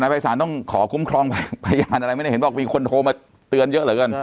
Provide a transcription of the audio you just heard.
ธนาภัยสารต้องขอคุ้มครองประญาณอะไรไม่ได้เห็นว่ามีคนโทรมาเตือนเยอะเหรอกัน